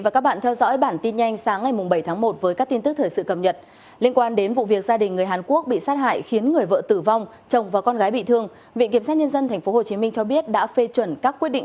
cảm ơn các bạn đã theo dõi